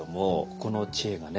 ここの知恵がね